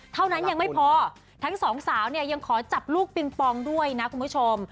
เท่านั้นยังไม่พอทั้งสองสาวเนี่ยยังขอจับลูกปิงปองด้วยนะคุณผู้ชม